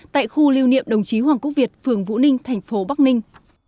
tại khu lưu niệm đồng chí hoàng quốc việt phường vũ ninh thành phố bắc ninh